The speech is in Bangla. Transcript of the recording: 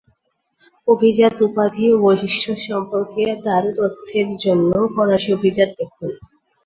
অভিজাত উপাধি ও বৈশিষ্ট্য সম্পর্কে আরও তথ্যের জন্য ফরাসি অভিজাত দেখুন।